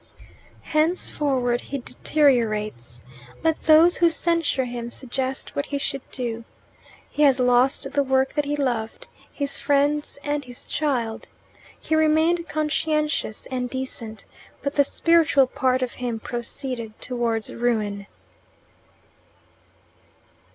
Henceforward he deteriorates. Let those who censure him suggest what he should do. He has lost the work that he loved, his friends, and his child. He remained conscientious and decent, but the spiritual part of him proceeded towards ruin.